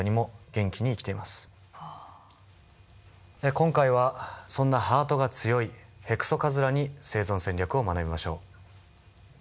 今回はそんなハートが強いヘクソカズラに生存戦略を学びましょう。